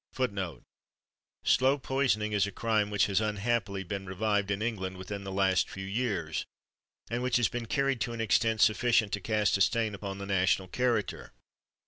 Slow poisoning is a crime which has unhappily been revived in England within the last few years, and which has been carried to an extent sufficient to cast a stain upon the national character.